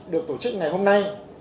được tổ chức ngày hôm nay